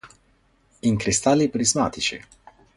In cristalli prismatici.